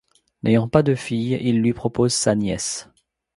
N'ayant pas de fille, il lui propose sa nièce.